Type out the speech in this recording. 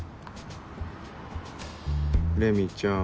レミちゃん。